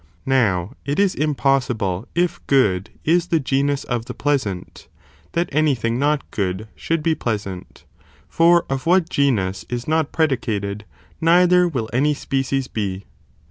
Now it is impossible, if good is the genus of the pleasant, that any thing not good should be plea sant, for of what genus is not predicated, neither will any species be.